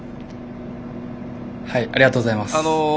ありがとうございます。